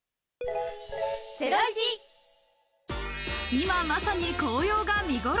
今、まさに紅葉が見ごろ。